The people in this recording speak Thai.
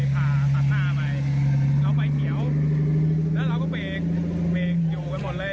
ผ่าตัดหน้าไปเราไฟเขียวแล้วเราก็เบรกเบรกอยู่ไปหมดเลย